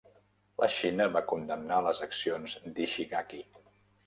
La Xina va condemnar les accions d'Ishigaki.